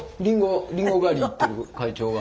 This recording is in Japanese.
りんご狩り行ってる会長が。